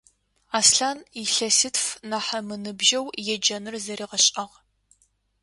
Аслъан илъэситф нахь ымыныбжьэу еджэныр зэригъэшӏагъ.